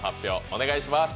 お願いします。